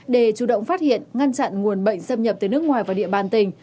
để chủ động phát hiện ngăn chặn nguồn bệnh xâm nhập tới nước ngoài và địa bàn tỉnh